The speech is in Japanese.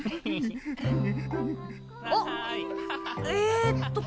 あっえっと